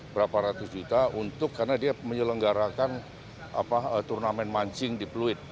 berapa ratus juta untuk karena dia menyelenggarakan turnamen mancing di pluit